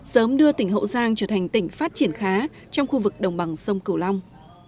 sớm đưa tỉnh hậu giang trở thành tỉnh phát triển khá trong khu vực đồng bằng sông cửu long